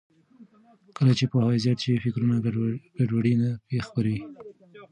کله چې پوهاوی زیات شي، فکري ګډوډي نه خپرېږي.